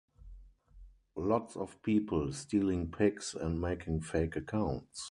Lots of people stealing pics and making fake accounts.